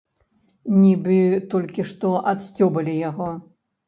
Нібы толькі што адсцёбалі яго.